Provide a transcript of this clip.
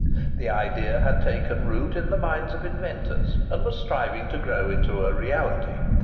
The idea had taken root in the minds of inventors, and was striving to grow into a reality.